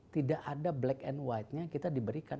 tidak ada black and white nya kita diberikan